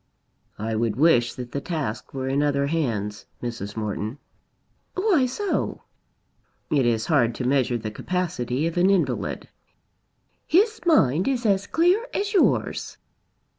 "I would wish that the task were in other hands, Mrs. Morton." "Why so?" "It is hard to measure the capacity of an invalid." "His mind is as clear as yours."